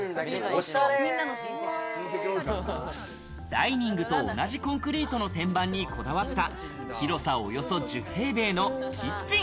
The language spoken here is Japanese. ダイニングと同じコンクリートの天板にこだわった広さ、およそ１０平米のキッチン。